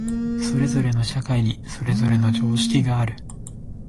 それぞれの社会にそれぞれの常識がある。